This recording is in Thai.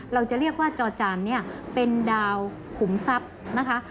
เราจะเรียกว่าจอจานเนี่ยเป็นดาวขุมทรัพย์นะคะ